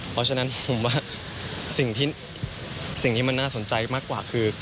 เพราะฉะนั้นผมว่าสิ่งที่มันน่าสนใจมากกว่าคือ